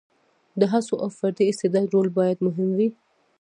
د هڅو او فردي استعداد رول باید مهم وي.